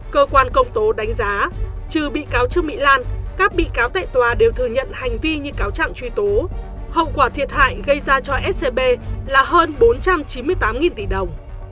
cơ quan công tố đánh giá trừ bị cáo trương mỹ lan các bị cáo tại tòa đều thừa nhận hành vi như cáo trạng truy tố hậu quả thiệt hại gây ra cho scb là hơn bốn trăm chín mươi tám tỷ đồng